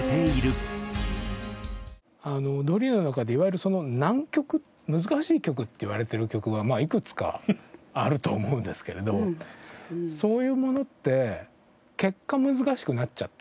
ドリの中でいわゆる難曲難しい曲っていわれてる曲がいくつかあると思うんですけれどそういうものって。